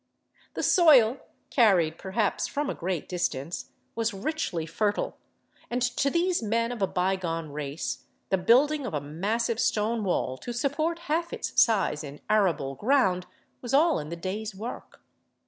The soil, carried perhaps from a great distance, was richly fertile, and to these men of a bygone race the building of a massive stone wall to support half its size in arable ground was all in the day's work.